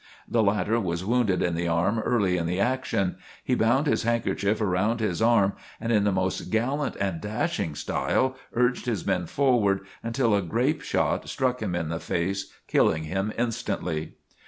The latter was wounded in the arm early in the action. He bound his handkerchief around his arm and in the most gallant and dashing style urged his men forward until a grape shot struck him in the face killing him instantly.